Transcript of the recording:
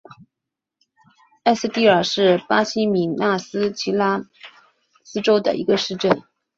埃斯蒂瓦是巴西米纳斯吉拉斯州的一个市镇。